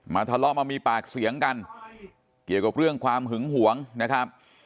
ทะเลาะมามีปากเสียงกันเกี่ยวกับเรื่องความหึงหวงนะครับ